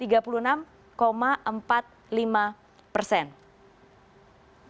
tingkat kepatuhan kalapas hanya tiga puluh enam empat ratus lima puluh dua orang